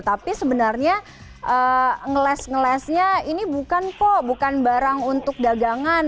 tapi sebenarnya ngeles ngelesnya ini bukan kok bukan barang untuk dagangan